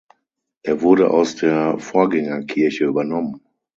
Er wurde aus der Vorgängerkirche übernommen.